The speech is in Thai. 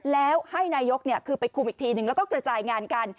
แล้วให้นายกคือไปคุมอีกทีนึงแล้วก็กระจายงานกัน